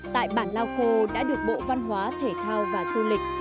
tại bản lao khô đã được bộ văn hóa thể thao và du lịch